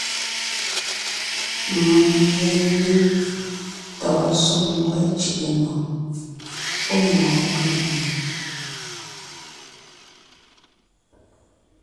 Mèŋ ngee míŋ tɔ̌ɔn Soŋkwɛ̌ Cʉ̀ʼʉnò pɔ́ mɔ̌ɔn Kʉŋnè.